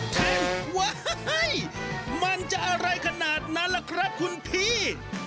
ว้ายมันจะอะไรขนาดนั้นล่ะครับคุณพี่